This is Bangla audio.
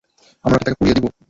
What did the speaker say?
আমরা কি তাকে পুড়িয়ে দিব?